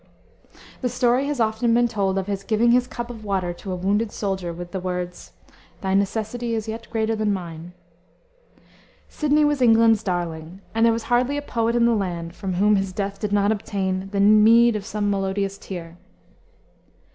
The story has often been told of his giving his cup of water to a wounded soldier with the words, "Thy necessity is yet greater than mine." Sidney was England's darling, and there was hardly a poet in the land from whom his death did not obtain "the meed of some melodious tear."